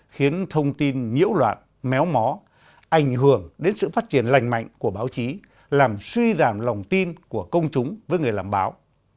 khiến thông tin nhiễu loạn méo mó ảnh hưởng đến sự phát triển lành mạnh của báo chí làm suy giảm lòng tin của công chúng với người làm báo